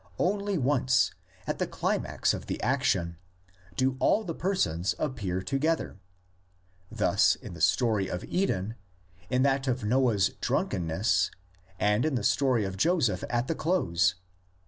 Only once, at the climax of the action, do all the persons appear together: thus in the story of Eden, in that of Noah's drunkenness, and in the story of Joseph at the close.